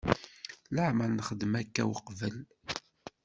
Leɛmeṛ nexdem akka weqbel.